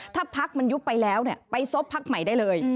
ถ้าพักมันยุบไปแล้วไปซบพักใหม่ได้เลย